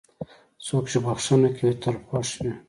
څوک چې بښنه کوي، تل خوښ وي.